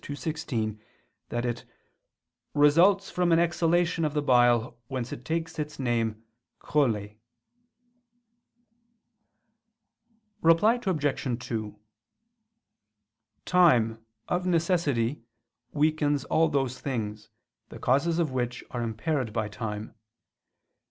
ii, 16) that it "results from an exhalation of the bile whence it takes its name chole." Reply Obj. 2: Time, of necessity, weakens all those things, the causes of which are impaired by time.